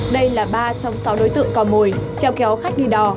đây là ba trong sáu đối tượng cò mồi treo kéo khách đi đò